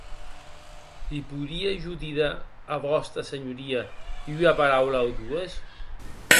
Li poiria jo díder a Vòsta Senhoria ua paraula o dues?